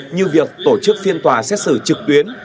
như việc tổ chức phiên tòa xét xử trực tuyến